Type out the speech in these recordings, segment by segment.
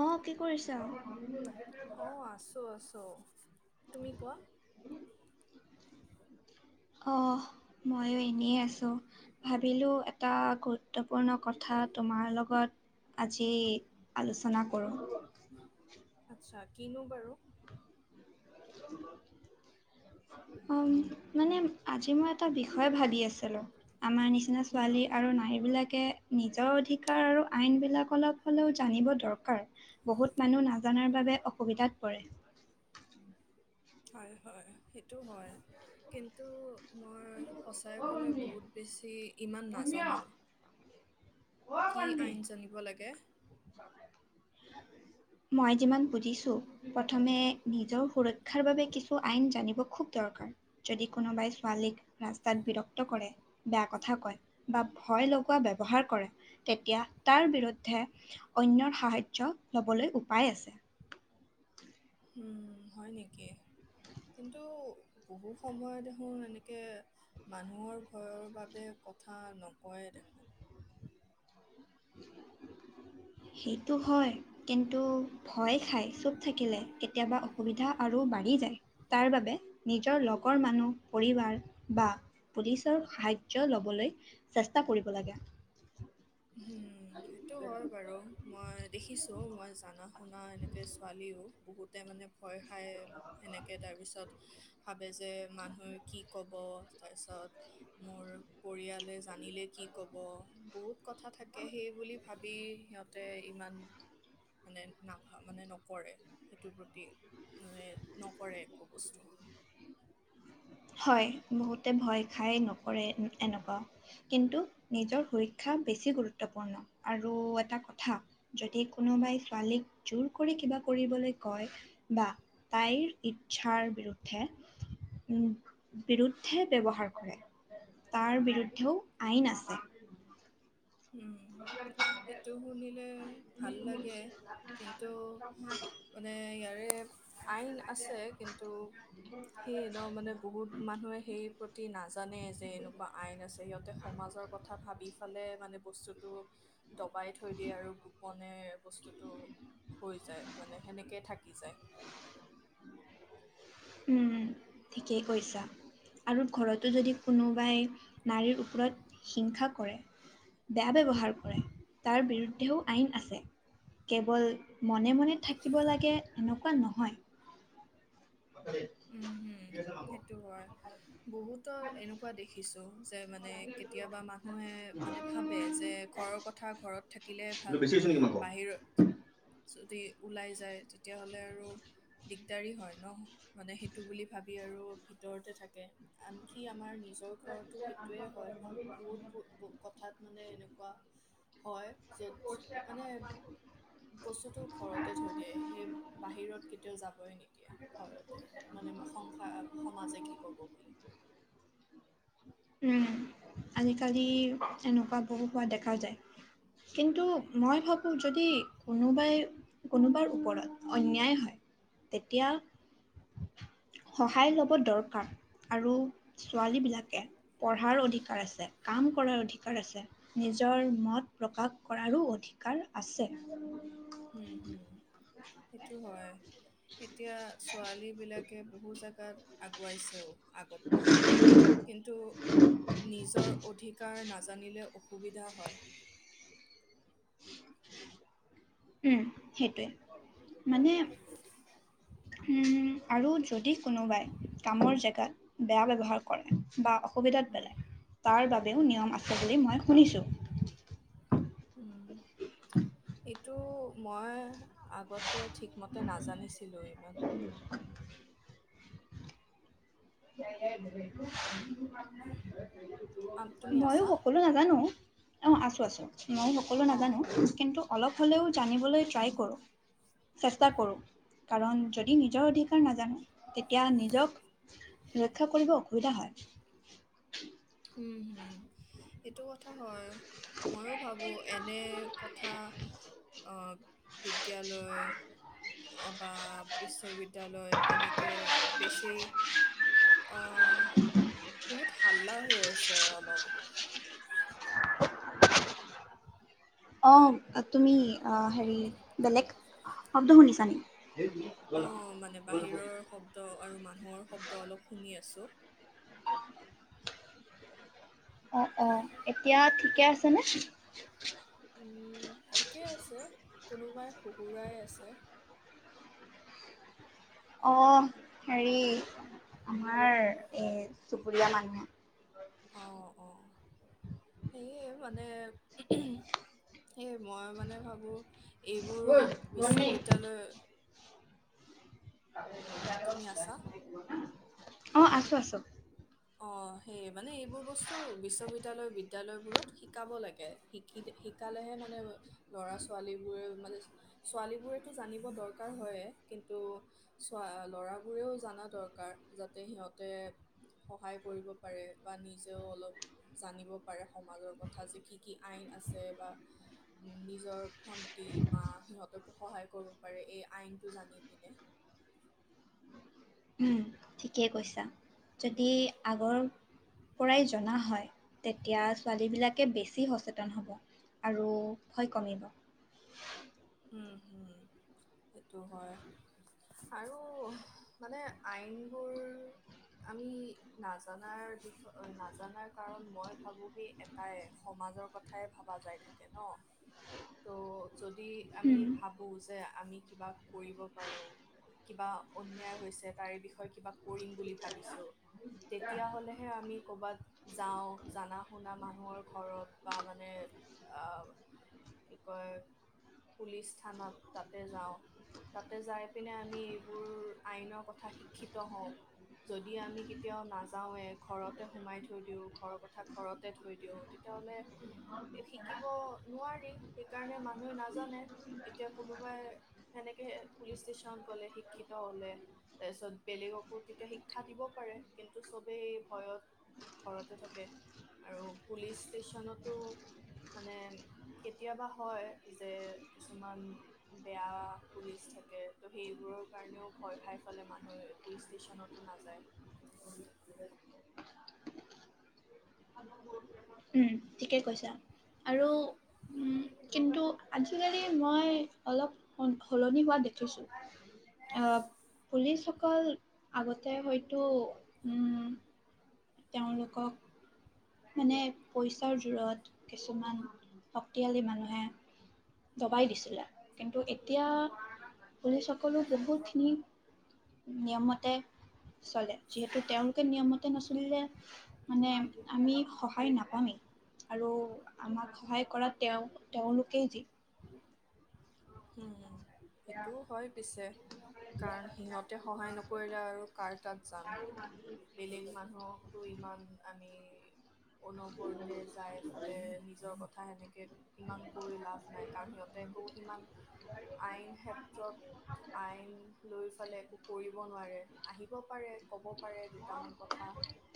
আহ কি কৰিছা? অ আছোঁ আছোঁ। তুমি কোৱা? অ মইও এনে আছো ভাবিলো এটা কল- গুৰুত্বপূৰ্ণ কথা তোমাৰ লগত আজি আলোচনা কৰোঁ। চা কিনো বাৰু? অ মানে আজি মই এটা বিষয় ভাবি আছিলোঁ। আমাৰ নিচিনা উম, ছোৱালী আৰু নাৰী বিলাক- নিজৰ অধিকাৰ আৰু আইনবিলাক অলপ হ'লেও জানিব দৰকাৰ বহুত মানুহ নাজানাৰ বাবে অসুবিধাত পৰে। হয় হয় সেইটো হয় কিন্তু, মই সঁচাইে অ ক'লে পন্নী, বহুত বেছি ইমান পন্নী অ, নাজানো অ কি পন্নী। আইন জানিব লাগে? মই যিমান বুজিছো প্ৰথমে নিজৰ সুৰক্ষাৰ বাবে কিছু আইন জানিব খুব দৰকাৰ। যদি কোনোবাই ছোৱালীক ৰাস্তাত বিৰক্ত কৰে, বেয়া কথা কয় বা ভয় লগোৱা ব্যৱহাৰ কৰে তেতিয়া তাৰ বিৰুদ্ধে- অন্যৰ সাহায্য ল'বলৈ উপায় আছে। উম হয় নেকি কিন্তু বহু সময় দেখোন এনেকে মানুহৰ ভয়ৰ বাবে কথা নকয়ে দেখোন। সেইটো হয় কিন্তু ভয় খাই, চুপ থাকিলে কেতিয়াবা অসুবিধা আৰু বাঢ়ি যায়। তাৰ বাবে নিজৰ লগৰ মানুহ পৰিবাৰ বা পুলিচৰ সাহাৰ্য ল'বলৈ চেষ্টা কৰিব লাগে। সেইটো হয় বাৰু মই দেখিছোঁ মই জানা। শুনা এনেকে ছোৱালীও বহুতে মানে ভয়- খায় সেনেকৈ তাৰপিছত ভাবে যে- মানুহে কি ক'ব? তাৰপিছত মোৰ পৰিয়ালে জানিলে কি ক'ব বহুত কথা থাকে সেই বুলি ভাব বি সিহঁতে ইমান মানে নাভা মানে নকৰে সেইটোৰ প্ৰতি মানে নকৰে একো বস্তু। হয় বহুতে ভয় খাই নকৰে এনেকুৱা কিন্তু নিজৰ সুৰক্ষা বেছি গুৰুত্বপূৰ্ণ আৰু এটা কথা যদি কোনোবাই ছোৱালীক জোৰ কৰি কিবা কৰিবলৈ কয় বা তাইৰ ইচ্ছাৰ বিৰুদ্ধে বিৰুদ্ধে ব্যৱহাৰ কৰে তাৰ বিৰুদ্ধেও আইন আছে। এইটো শুনিলে ভাল লাগে কিন্তু মানে ইয়াৰে আইন আছে কিন্তু সেই ন মানে বহুত মানুহে সেই প্ৰতি নাজানে নে যে এনেকুৱা আইন আছে সিহঁতে সমাজৰ কথা ভাবি চালে মানে বস্তুটো দবাই থৈ দিয়ে আৰু গোপনে বস্তুটো হৈ যায় মানে সেনেকেই থাকি যায়। উম ঠিকেই কৈছা আৰু ঘৰতো যদি কোনোবাই নাৰীৰ ওপৰত হিংসা কৰে বেয়া ব্যৱহাৰ কৰে তাৰ বিৰুদ্ধেও আইন আছে কেৱল মনে মনে থাকিব লাগে এনেকুৱা নহয়। উম হম সেইটো হয় বহুতৰ এনেকুৱা দেখিছো যে মানে কেতিয়াবা মানুহে মানে ভাবে যে ঘৰৰ কথা ঘৰত থাকিলে ভাল বেছি হৈছে নেকি মাংস? বাহিৰত যদি ওলাই যায় তেতিয়াহ'লে আৰু দিগদাৰী হয় ন। মানে সেইটো বুলি ভাবি আৰু ভিতৰতে থাকে আনকি আমাৰ নিজৰ ঘৰটো সেইটোয়ে হয় বহুত কথাত মানে এনে বা হয় য'ত মানে বস্তুটো ঘৰতে থৈ দিয়ে সেই বাহিৰত কেতিয়াও যাবই নিদিয়ে ভয়ত মানে সংসাৰ সমাজে কি কব বুলি উম আজিকালি এনেকুৱা বহু হোৱা দেখা যায় কিন্তু মই ভাবো যদি কোনোবাই কোনোবাৰ ওপৰত অন্যায় হয় তেতিয়া সহায় লব দৰকাৰ আৰু ছোৱালী বিলাকে পঢ়াৰ অধিকাৰ আছে কাম কৰাৰ অধিকাৰ আছে নিজৰ মত প্ৰকাশ কৰাৰো অধিকাৰ আছে। হ সেইটো হয় এতিয়া ছোৱালী বিলাকে বহু জেগাত আগুৱাইছেও আগতকৈ কিন্তু নিজৰ অধিকাৰ নাজানি জানিলে অসুবিধা হয়। উম সেইটোৱে মানে উম আৰু যদি কোনোবাই কামৰ জেগাত বেয়া ব্যৱহাৰ কৰে বা অসুবিধাত উম, পেলাই তাৰ উম, বাবেও হুম, নিয়ম আছে বুলি মই শুনিছোঁ। [unintelligible] এইটো মই আগতে ঠিকমতে নাজানিছিলোঁ ইমান তুমি [unintelligible] ময়ো আছা? সকলো নাজানো অ আছো আছো মই সকলো অঁ। নাজানো কিন্তু অলপ হ'লেও জানিবলৈ ট্ৰাই কৰোঁ চেষ্টা কৰোঁ কাৰণ যদি নিজৰ অধিকাৰ নাজানে তেতিয়া নিজক। ৰক্ষা কৰিব অসুবিধা হয়। উম হুম এইটো কথা হয়। ময়ো ভাবোঁ এনে কথা বিদ্যালয় বা বিশ্ববিদ্যালয় এনেকৈ অঁ বেছি বহুত ভাল হেল্ল হৈ আছে অলপ। অ তুমি অ হেৰি বেলেগ শব্দ শুনিছানেকি? অঁ মানে বাহিৰৰ শব্দ আৰু মানুহৰ শব্দ অলপ শুনি আছোঁ। অঁ অঁ এতিয়া ঠিকে আছেনে? উম ঠিকেই আছে কোনোবাই শুহোৰাই আছে। অ হেৰি আমাৰ এই। চুবুৰীয়া মানুহে অঁ অঁ সেয়ে মানে এই মই মানে ভাবোঁ এইবোৰ বিশ্ববিদ্যালয় উম, তুমি আছা? [unintelligible] অঁ আছোঁ আছোঁ। অঁ সেয়ে মানে এইবোৰ বস্তু বিশ্ববিদ্যালয় বিদ্যালয়বোৰত শিকাব লাগে শিকি শিকালেহে মানে ল'ৰা ছোৱালীবোৰে মানে ছোৱালীবোৰেতো জানিব দৰকাৰ হয়েই কিন্তু ল'ৰাবোৰেও জানা দৰকাৰ যাতে সিহঁতে সহায় কৰিব পাৰে বা নিজেও অলপ জানিব পাৰে সমাজৰ কথা যে কি কি আইন আছে বা নিজৰ ভণ্টি মা সিহঁতকো সহায় কৰিব পাৰে এই আইনটো জানি পিনে উম ঠিকেই কৈছা যদি আগৰ পৰাই জনা হয়, তেতিয়া ছোৱালীবিলাকে বেছি সচেতন হ'ব আৰু ভয় কমিব। উম উম সেইটো হয় আৰু মানে আইনবোৰ আমি নাজানাৰ বিষ নাজানাৰ কাৰণ মই ভাবো সেই এটাই সমাজৰ কথাই ভাবা যায় থাকে ন ত' যদি আমি উম, ভাবোঁ যে আমি কিবা কৰিব পাৰোঁ কিবা অন্যায় হৈছে তাৰে বিষয়ে কিবা কৰিম বুলি ভাবিছোঁ। তেতিয়া হ'লেহে আমি কৰ'বাত যাওঁ জনা শুনা মানুহৰ ঘৰত বা মানে কি কয়? পুলিচ থানাত তাতে যাওঁ তাতে যাই পিনে আমি এইবোৰ আইনৰ কথা শিক্ষিত হওঁ যদি আমি কেতিয়াও নাযাওঁৱে ঘৰতে সোমাই থৈ দিওঁ ঘৰৰ কথা ঘৰতে থৈ দিওঁ তেতিয়াহ'লে শিকিব নোৱাৰি সেইকাৰণে মানুহ [unintelligible] এতিয়া কোনোবাই সেনেকে পুলিচ ষ্টেচনত গলে শিক্ষিত হলে তাৰপিছত বেলেগকো তেতিয়া শিক্ষা দিব পাৰে কিন্তু চবেই ভয়ত ঘৰতে থাকে আৰু পুলিচ ষ্টেচনতো মানে কেতিয়াবা হয়। যে কিছুমান বেয়া পুলিচ থাকে ত' সেইবোৰৰ কাৰণেও ভয় খাই ফালে মানুহে পুলিচ ষ্টেচনতো নাযায়। উম ঠিকেই কৈছা আৰু কিন্তু আজিকালি মই অলপ সলনি হোৱা দেখিছো আহ পুলিচসকল আগতে হয়তো উম। তেওঁলোকক মানে পইচাৰ জোৰৰত কিছুমান শক্তিশালী মানুহে দবাই দিছিলে কিন্তু এতিয়া পুলিচ সকলো বহুতখিনি নিয়মতে চলে যিহেতু তেওঁলোকে নিয়মতে নচলিলে মানে আমি সহায় নাপামেই আৰু আমাক সহায় কৰা তেওঁ তেওঁলোকেই যি হম সেইটোও হয় পিছে কাৰণ সিহঁতে সহায় নকৰিলে আৰু কাৰ তাত যাম বেলেগ মানুহকো ইমান আমি অনবৰতে যাই ফালে নিজৰ ক কথা এনেকে ইমানকৈ লাভ নাই কাৰণ সিহঁতে আ একো সিমান আইন ক্ষেত্ৰত আইন লৈ ফালে এক কৰিব নোৱাৰে আহিব পাৰে ক'ব পাৰে দুটামান কথা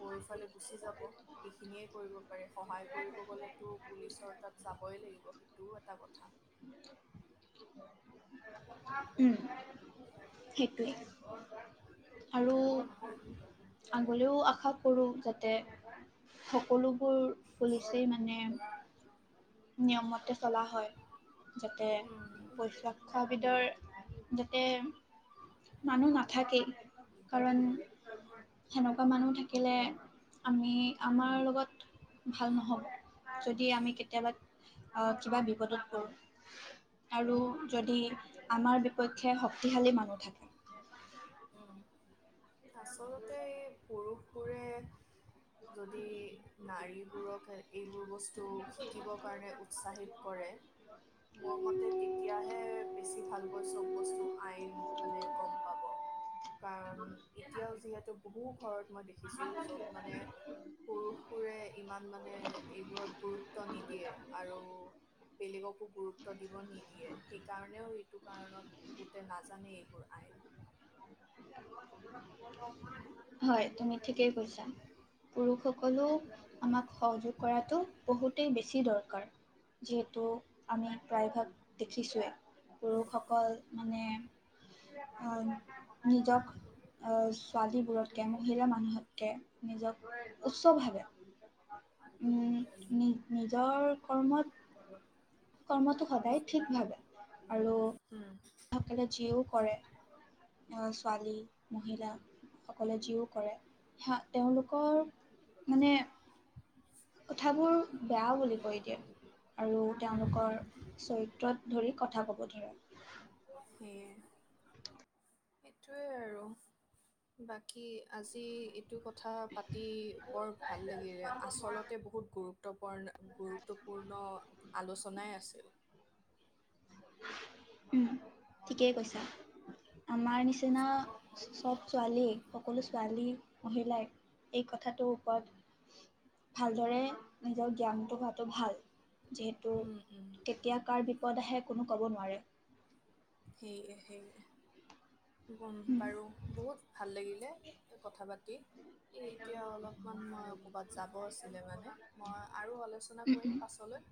কৈ পেলায় গুচি যাব সেইখিনিয়ে কৰিব পাৰে সহায় কৰিব গ'লেতো পুলিচৰ তাত যাবই লাগিব সেইটোও এটা কথা। উম সেইটোৱে আৰু হলেও আশা কৰোঁ যাতে সকলো বোৰ পুলিছেই মানে নিয়মতে চলা হয় যাতে উম পইচা উসাবিদৰ যাতে মানুহ নাথাকেই কাৰণ সেনেকুৱা মানুহ থাকিলে আমি আমাৰ লগত ভাল নহব যদি আমি কেতিয়াবা আহ কিবা বিপদত পো আৰু যদি আমাৰ বিপক্ষে শক্তিশালী মানুহ ম থাকে উম তাচত উম সুৰে সুৰে যদি নাৰীবোৰক এইবোৰ বস্তু শিকিবৰ কাৰণে উৎসাহিত কৰে মোৰ মতে তেতিয়াহে বেছি ভাল হৈ চব বস্তু আইন মানে গম পাব কাৰণ এতিয়াও যিহেতু বহু ঘৰত মই দেখিছোঁ য'ত মানে পুৰুষবোৰে ইমান মানে এইবোৰত গুৰুত্ব নিদিয়ে আৰু বেলেগকো গুৰুত্ব দিব নিদিয়ে সেইকাৰণেও এইটো কাৰণত বহুতে নাজানে এইবোৰ আইন হয় তুমি ঠিকেই কৈছা পুৰুষসকলো আমাক সহযোগ কৰাটো বহুতেই বেছি দৰকাৰ যিহেতু আমি প্ৰায়ভাগ দেখিছোৱে পুৰুষসকল মানে অহ নিজক অহ ছোৱালীবোৰতকে মহিলা মানুহতকে নিজক উচ্চ ভাৱে উম নি নিজৰ কৰ্মত কৰ্মটো সদায় ঠিক ভাৱে উম তাকে যিও কৰে ছোৱালী মহিলাসকলে যিও কৰে তেওঁলোকৰ মানে কথাবোৰ বেয়াও বুলি কৈ দিয়ে আৰু উম তেওঁলোকৰ উম চৰিত্ৰত ধৰি কথা ক'ব ধৰা সেই সেইটোৱে আৰু বাকী আজি এইটো কথা পাতি বৰ ভাল লাগিলে আচলতে বহুত গুৰুত্ব গুৰুত্বপূৰ্ণ গুৰুত্বপূৰ্ণ আলোচনাই আছিল উম ঠিকেই কৈছা আমাৰ নিচিনা চব ছোৱালী সকলো ছোৱালী মহিলাই এই কথাটোৰ ওপৰত ভালদৰে নিজৰ জ্ঞানটো হোৱাটো ভাল যিহেতু উম, উম, কেতিয়া কাৰ বিপদ আহে কোনো ক'ব নোৱাৰে ঠিক ঠিক ম উম, বাৰু বহুত ভাল লাগিল কথা পাতি এই এতিয়া অলপমান মই ক'বাত যাব আছিলে মানে মই আৰু আলোচনা উম, কৰিম উম, পাছলৈ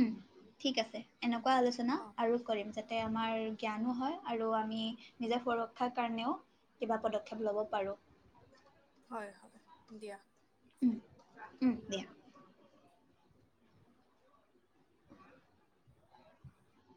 উম। ঠিক আছে উম, এনেকুৱা আলোচনা অ', আৰু কৰিম যাতে আমাৰ জ্ঞানো হয় আৰু আমি নিজৰ সুৰক্ষাৰ কাৰণেও কিবা পদক্ষেপ ল'ব পাৰোঁ হয় হয় দিয়া উম উম দিয়া